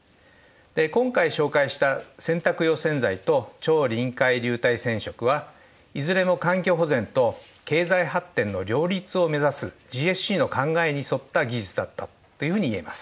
今回紹介した洗濯用洗剤と超臨界流体染色はいずれも環境保全と経済発展の両立を目指すＧＳＣの考えに沿った技術だったというふうに言えます。